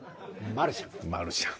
マルシャン！